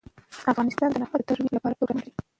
افغانستان د نفت د ترویج لپاره پروګرامونه لري.